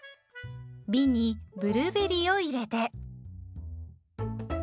びんにブルーベリーを入れて。